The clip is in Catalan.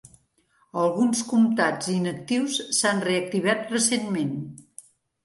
Alguns comtats inactius s'han reactivat recentment.